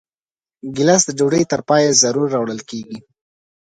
ګیلاس د ډوډۍ تر پایه ضرور راوړل کېږي.